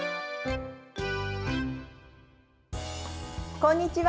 こんにちは。